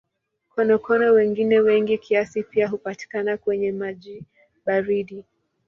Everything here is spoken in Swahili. Konokono wengine wengi kiasi pia hupatikana kwenye maji baridi.